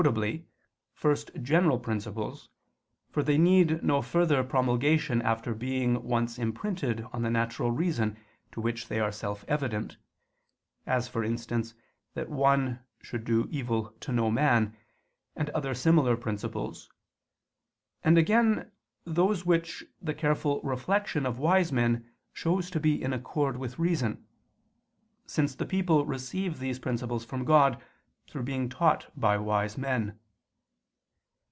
first general principles, for they need no further promulgation after being once imprinted on the natural reason to which they are self evident; as, for instance, that one should do evil to no man, and other similar principles: and again those which the careful reflection of wise men shows to be in accord with reason; since the people receive these principles from God, through being taught by wise men.